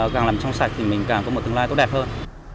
càng làm trong sạch thì mình càng có một tương lai tốt đẹp hơn